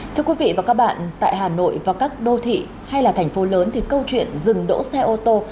thưa quý vị và các bạn tại hà nội và các đô thị hay là thành phố lớn thì câu chuyện dừng đỗ xe ô tô